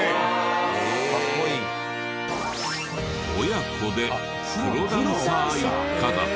親子でプロダンサー一家だった。